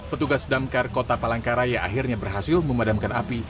petugas damkar kota palangkaraya akhirnya berhasil memadamkan api